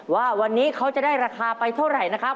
ว่าวันนี้เขาจะได้ราคาไปเท่าไหร่นะครับ